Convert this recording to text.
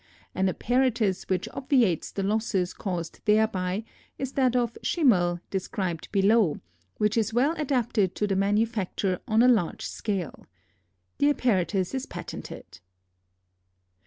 An apparatus which obviates the losses caused thereby is that of Schimmel described below, which is well adapted to the manufacture on a large scale. The apparatus is patented.